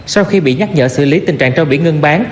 sau khi bị nhắc nhở xử lý tình trạng trao bị ngưng bán